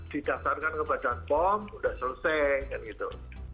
didasarkan ke badan pom sudah selesai kan gitu